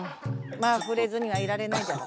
まあ触れずにはいられないじゃろ。